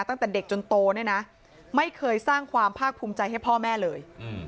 ตั้งแต่เด็กจนโตเนี่ยนะไม่เคยสร้างความภาคภูมิใจให้พ่อแม่เลย